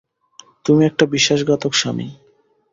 তুমি একটা বিশ্বাসঘাতক স্বামী!